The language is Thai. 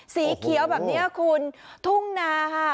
สีเขียวแบบนี้คุณทุ่งนาค่ะ